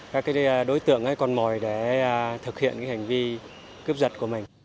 các cái đối tượng còn mỏi để thực hiện hành vi cướp giật của mình